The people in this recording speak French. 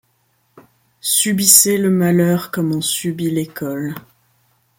Subissez le malheur comme on subit l'école ;